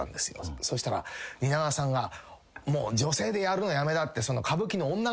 そしたら蜷川さんが「もう女性でやるのやめだ」